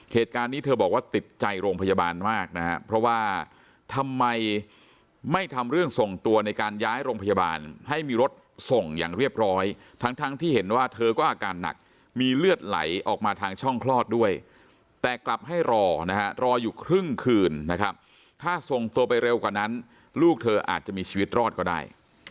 เหตุการณ์นี้เธอบอกว่าติดใจโรงพยาบาลมากนะฮะเพราะว่าทำไมไม่ทำเรื่องส่งตัวในการย้ายโรงพยาบาลให้มีรถส่งอย่างเรียบร้อยทั้งทั้งที่เห็นว่าเธอก็อาการหนักมีเลือดไหลออกมาทางช่องคลอดด้วยแต่กลับให้รอนะฮะรออยู่ครึ่งคืนนะครับถ้าส่งตัวไปเร็วกว่านั้นลูกเธออาจจะมีชีวิตรอดก็ได้